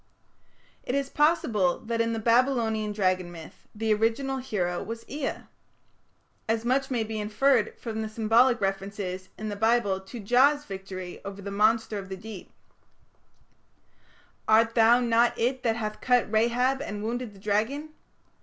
It is possible that in the Babylonian dragon myth the original hero was Ea. As much may be inferred from the symbolic references in the Bible to Jah's victory over the monster of the deep: "Art thou not it that hath cut Rahab and wounded the dragon?"